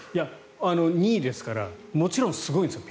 ２位ですからもちろんすごいんですよ